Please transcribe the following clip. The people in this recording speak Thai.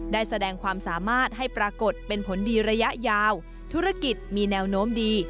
ได้แสดงความสามารถให้ปรากฏเป็นผลดีระยะยาวธุรกิจมีแนวโน้มดี